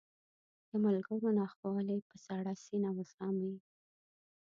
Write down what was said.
د ملګرو ناخوالې په سړه سینه وزغمي.